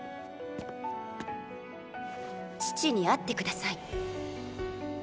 父に会って下さい。